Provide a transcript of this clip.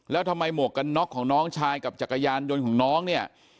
แล้วทำไมหมวกกันน็อกของน้องชายกับจักรยานยนต์ของน้องเนี่ย